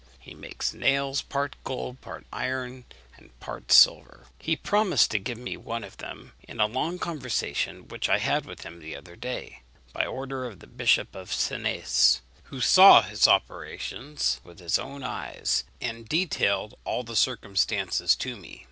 He makes nails, part gold, part iron, and part silver. He promised to give me one of them, in a long conversation which I had with him the other day, by order of the Bishop of Senés, who saw his operations with his own eyes, and detailed all the circumstances to me.